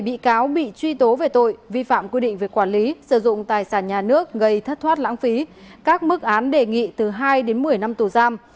một bị cáo bị truy tố về tội vi phạm quy định về quản lý sử dụng tài sản nhà nước gây thất thoát lãng phí các mức án đề nghị từ hai đến một mươi năm tù giam